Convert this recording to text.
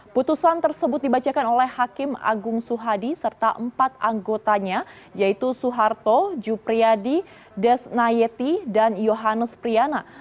putusan tersebut dibacakan oleh hakim agung suhadi serta empat anggotanya yaitu suharto jupriyadi des nayeti dan yohanes priyana